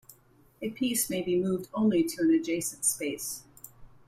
A piece may be moved only to an adjacent space.